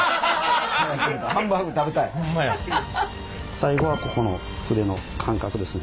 最後はここの筆の感覚ですね。